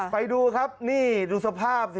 ไปดูครับนี่ดูสภาพสิ